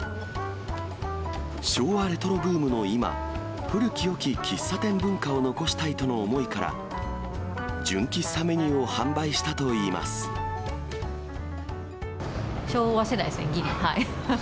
昭和レトロブームの今、古きよき喫茶店文化を残したいとの思いから、純喫茶メニューを販昭和世代ですね、ぎり。